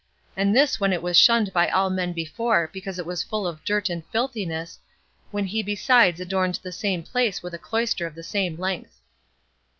and this when it was shunned by all men before, because it was full of dirt and filthiness, when he besides adorned the same place with a cloister of the same length.